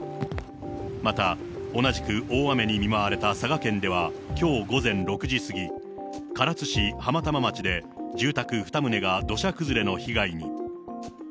また同じく大雨に見舞われた佐賀県では、きょう午前６時過ぎ、唐津市浜玉町で住宅２棟が土砂崩れの被害に。